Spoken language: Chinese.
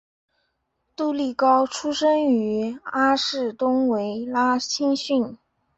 杜利高出身于阿士东维拉青训。